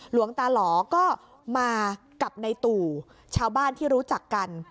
หลวงตาหล่อก็มากับในตู่ชาวบ้านที่รู้จักกัน